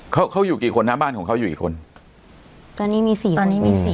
เขาเขาอยู่กี่คนนะบ้านของเขาอยู่กี่คนตอนนี้มีสี่ตอนนี้มีสี่